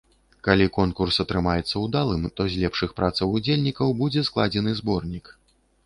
Калі конкурс атрымаецца ўдалым, то з лепшых працаў удзельнікаў будзе складзены зборнік.